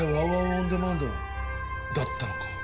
オンデマンドだったのか。